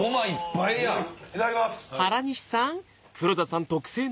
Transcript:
いただきます！